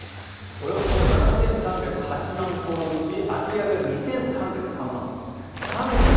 およそ７３０８万のうち空き家が２３０３万戸。